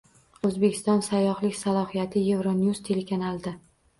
O‘zbekiston sayyohlik salohiyati «Euronews» telekanalida